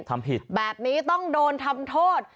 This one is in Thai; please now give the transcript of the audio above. ทำผิดแบบนี้ต้องโดนทำโทษ